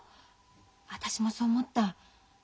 私もそう思った。